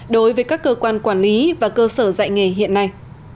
đối với các cơ quan quản lý và cơ sở dạy nghề hiện nay